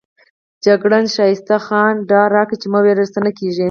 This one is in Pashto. جګړن ښایسته خان ډاډ راکړ چې مه وېرېږئ څه نه کېږي.